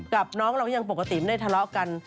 กับน้องเราก็ยังปกติไม่ได้ทะเลาะกัน